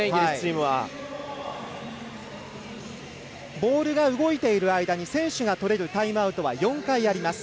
ボールが動いている間に選手がとれるタイムアウトは４回あります。